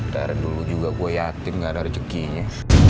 dar dulu juga gue yatim nggak ada rezekinya